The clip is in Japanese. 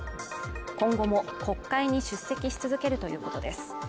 今後も国会に出席し続けるということです。